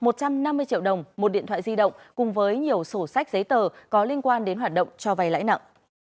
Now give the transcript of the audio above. một trăm năm mươi triệu đồng một điện thoại di động cùng với nhiều sổ sách giấy tờ có liên quan đến hoạt động cho vay lãi nặng